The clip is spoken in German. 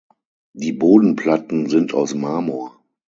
Die Bodenplatten sind aus Marmor.